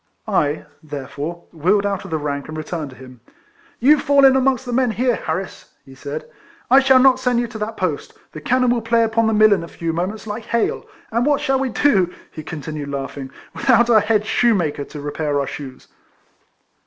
I, therefore, wheeled out of the rank, and returned to him. " You fall in amongst the men here, Harris," he said. " I shall not send you to that post. The cannon will play upon the mill in a few moments like hail ; and what shall we do," he continued, laughing, " without our head shoemaker to repair our shoes